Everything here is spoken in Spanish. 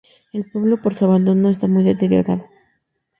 El pueblo, por su abandono está muy deteriorado.